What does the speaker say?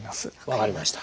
分かりました。